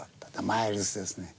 「マイルスですね」。